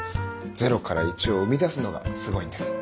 ゼロから１を生み出すのがすごいんです。